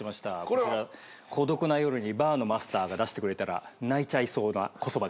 こちら孤独な夜にバーのマスターが出してくれたら泣いちゃいそうな小そばでございます。